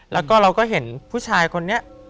แล้วก็เราก็เห็นผู้ชายคนนี้